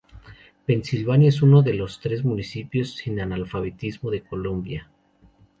Pensilvania es uno de los tres municipios sin analfabetismo de Colombia.